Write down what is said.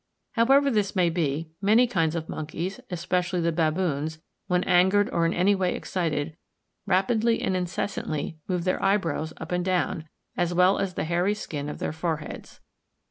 However this may be, many kinds of monkeys, especially the baboons, when angered or in any way excited, rapidly and incessantly move their eyebrows up and down, as well as the hairy skin of their foreheads.